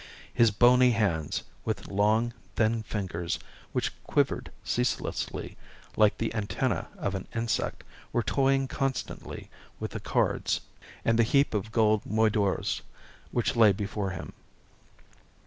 His bony hands, with long, thin fingers which quivered ceaselessly like the antennae of an insect, were toying constantly with the cards and the heap of gold moidores which lay before him.